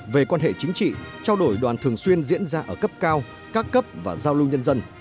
về quan hệ chính trị trao đổi đoàn thường xuyên diễn ra ở cấp cao các cấp và giao lưu nhân dân